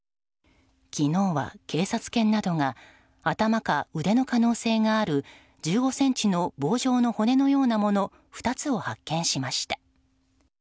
昨日は警察犬などが頭か腕の可能性がある１５ｃｍの棒状の骨のようなもの２つを発見しました。